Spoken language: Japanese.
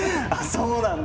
そうなんだ！